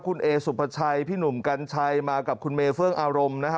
คุณเอสุภาชัยพี่หนุ่มกัญชัยมากับคุณเมเฟื่องอารมณ์นะฮะ